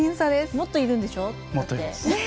もっといるんでしょう。